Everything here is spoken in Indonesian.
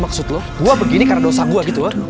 maksud lu gua begini karena dosa gua gitu ha